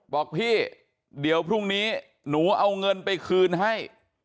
บอกพี่เดี๋ยวพรุ่งนี้หนูเอาเงินไปคืนให้